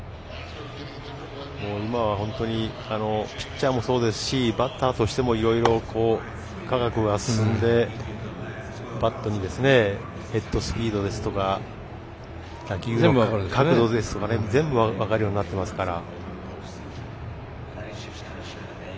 今は本当にピッチャーもそうですしバッターとしてもいろいろ、科学が進んでヘッドスピードですとか角度ですとか全部分かるようになっていますから。